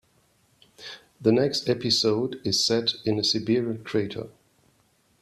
The next episode is set in a Siberian crater.